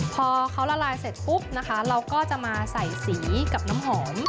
พอเขาละลายเสร็จปุ๊บนะคะเราก็จะมาใส่สีกับน้ำหอม